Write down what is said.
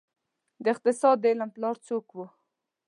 د اقتصاد د علم پلار څوک وه؟